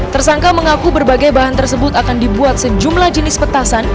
tersangka mengaku berbagai bahan tersebut akan dibuat sejumlah jenis petasan